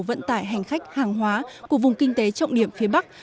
vận tải hành khách hàng hóa của vùng kinh tế trọng điểm phía bắc